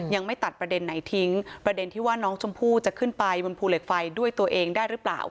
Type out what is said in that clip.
ยังไม่ตัดประเด็นไหนทิ้งประเด็นที่ว่าน้องชมพู่จะขึ้นไปบนภูเหล็กไฟด้วยตัวเองได้หรือเปล่า